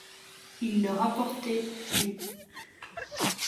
Il leur apportait Dieu.